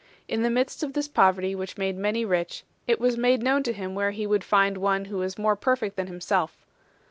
In the midst of this poverty which made many rich it was made known to him where he would find one who was more perfect than himself.